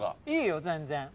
いいよ全然。